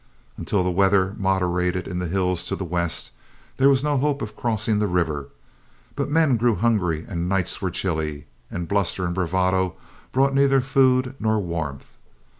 Until the weather moderated in the hills to the west, there was no hope of crossing the river; but men grew hungry and nights were chilly, and bluster and bravado brought neither food nor warmth.